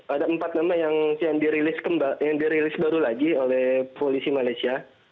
ada empat nama yang dirilis baru lagi oleh polisi malaysia